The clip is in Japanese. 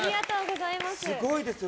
すごいですよ。